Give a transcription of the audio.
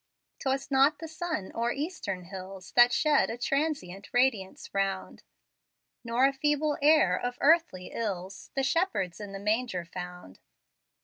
'Twas not the sun o'er Eastern hills, That shed a transient radiance round; Nor a feeble heir of earthly ills The shepherds in the manger found.